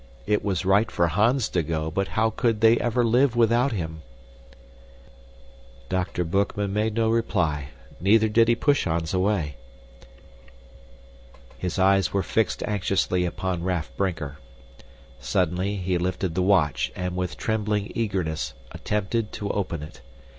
It was right for Hans to go, but how could they ever live without him? Dr. Boekman made no reply, neither did he push Hans away. His eyes were fixed anxiously upon Raff Brinker. Suddenly he lifted the watch and, with trembling eagerness, attempted to open it.